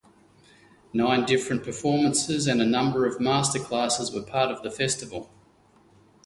Nine different performances and a number of master classes were part of the festival.